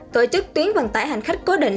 tổ chức tuyến vận tải hành khách cố định